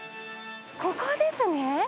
ここですね。